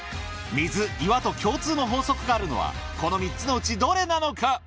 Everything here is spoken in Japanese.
水岩と共通の法則があるのはこの３つのうちどれなのか？